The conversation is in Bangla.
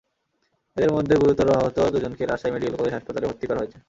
এঁদের মধ্যে গুরুতর আহত দুজনকে রাজশাহী মেডিকেল কলেজ হাসপাতালে ভর্তি করা হয়েছে।